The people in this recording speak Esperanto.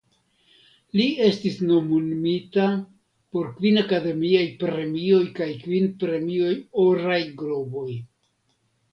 Li estis nomumita por kvin Akademiaj Premioj kaj kvin Premioj Oraj Globoj.